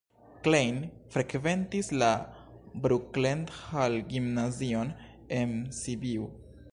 Klein frekventis la Brukenthal-gimnazion en Sibiu.